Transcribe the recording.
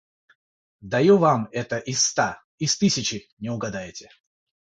Даю вам это из ста, из тысячи... не угадаете.